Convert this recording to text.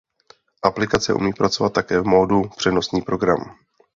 Aplikace umí pracovat také v modu Přenosný program.